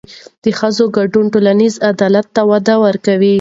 د ښځو ګډون ټولنیز عدالت ته وده ورکوي.